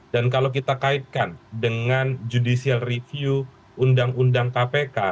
dan kalau kita kaitkan dengan judicial review undang undang kpk